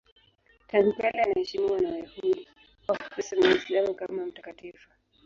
Tangu kale anaheshimiwa na Wayahudi, Wakristo na Waislamu kama mtakatifu.